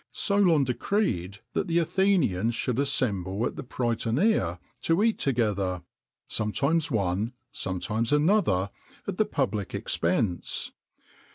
Solon decreed that the Athenians should assemble at the Prytanea to eat together sometimes one, sometimes another at the public expense.